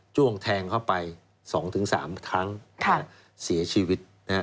้วงแทงเข้าไป๒๓ครั้งเสียชีวิตนะฮะ